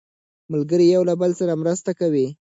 ملګري یو بل سره مرسته کوي